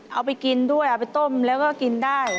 เอาไปกินด้วยเอาไปต้มแล้วก็กินได้